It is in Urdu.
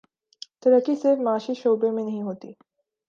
ترقی صرف معاشی شعبے میں نہیں ہوتی۔